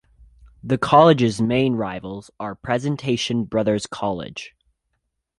The college's main rivals are Presentation Brothers College.